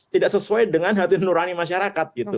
tidak sesuai dengan hati nurani masyarakat gitu